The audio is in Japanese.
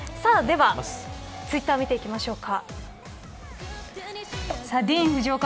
ツイッターを見ていきましょう。